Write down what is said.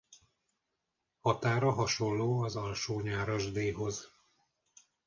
Határa hasonló az Alsó-Nyárasdéhoz.